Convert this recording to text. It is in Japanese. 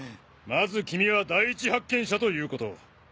まず君は第一発見者ということ。